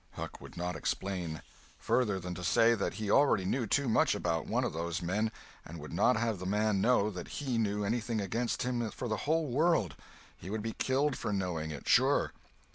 Huck would not explain, further than to say that he already knew too much about one of those men and would not have the man know that he knew anything against him for the whole world—he would be killed for knowing it, sure.